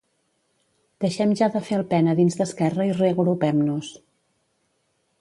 Deixem ja de fer el pena dins d'Esquerra i Reagrupem-nos.